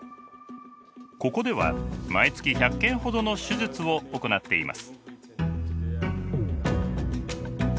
ここでは毎月１００件ほどの手術を行っています。